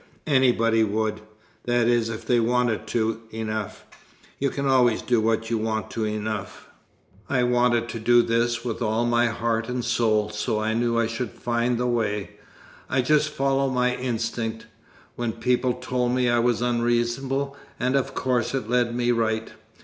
Anybody would that is, if they wanted to, enough. You can always do what you want to enough. I wanted to do this with all my heart and soul, so I knew I should find the way. I just followed my instinct, when people told me I was unreasonable, and of course it led me right.